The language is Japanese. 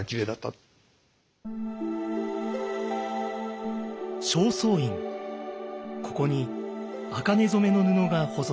ここに茜染めの布が保存されています。